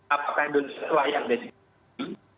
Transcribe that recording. apakah indonesia layak dari